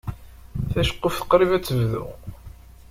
Taceqquft qrib ad tebdu.